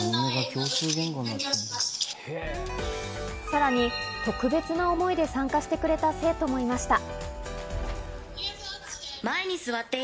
さらに、特別な思いで参加してくれた生徒もいました。